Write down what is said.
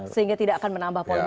sehingga tidak akan menambah polemik